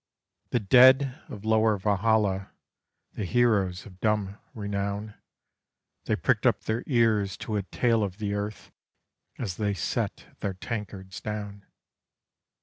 The dead of lower Valhalla, the heroes of dumb renown, They pricked up their ears to a tale of the earth as they set their tankards down.